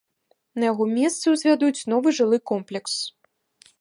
На яго месцы ўзвядуць новы жылы комплекс.